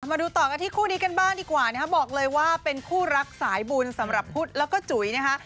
มาดูต่อกันที่คู่นี้กันบ้างดีกว่านะคะบอกเลยว่าเป็นคู่รักสายบุญสำหรับพุทธแล้วก็จุ๋ยนะคะ